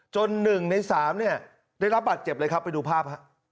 จน๑ใน๓ได้รับอัตเรียนใหญ่ไปดูภาพ